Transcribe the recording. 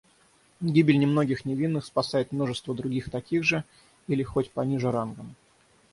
Гибель немногих невинных спасает множество других таких же или хоть пониже рангом.